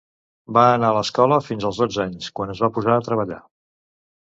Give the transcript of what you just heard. Va anar a escola fins als dotze anys, quan es va posar a treballar.